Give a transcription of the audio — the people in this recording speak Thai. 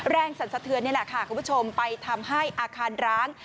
สันสะเทือนนี่แหละค่ะคุณผู้ชมไปทำให้อาคารร้าง